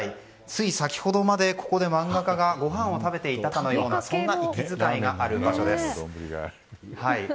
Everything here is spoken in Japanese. つい先ほどまで、ここで漫画家がごはんを食べていたかのような息づかいがある場所です。